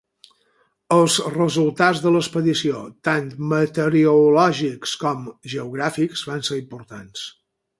Els resultats de l'expedició, tant meteorològics com geogràfics, van ser importants.